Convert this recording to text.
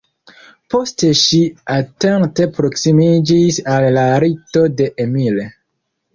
Poste ŝi atente proksimiĝis al la lito de Emil.